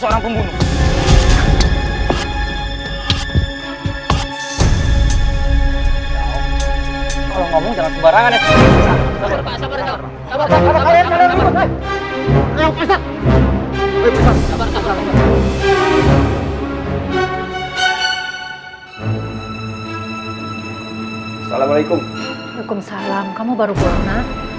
nanggung kalau ngomong jangan sebarangan ya kalau kamu baru berhenti kamu baru berhenti